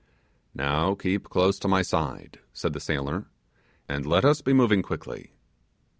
'Now keep close to my side,' said the sailor, 'and let us be moving quickly.